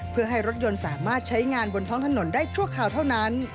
เพื่อให้รถยนต์สามารถใช้งานบนท้องถนนได้ชั่วคราวเท่านั้น